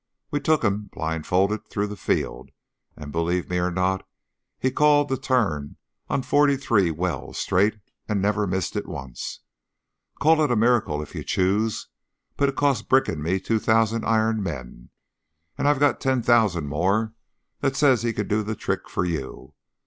We took him, blindfolded, through the field, and, believe me or not, he called the turn on forty three wells straight and never missed it once. Call it a miracle if you choose, but it cost Brick and me two thousand iron men, and I've got ten thousand more that says he can do the trick for you.